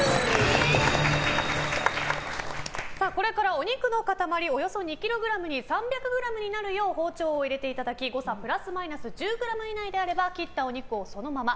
これからお肉の塊およそ２ｋｇに３００ｇになるよう包丁を入れていただき誤差プラスマイナス１０ｇ以内であれば切ったお肉をそのまま。